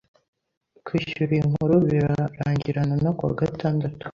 Kwishyura iyi nkuru birarangirana no kuwa gatandatu